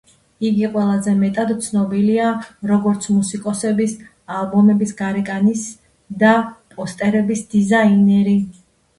იგი ყველაზე მეტად ცნობილია, როგორც მუსიკოსების ალბომების გარეკანების და პოსტერების დიზაინერი.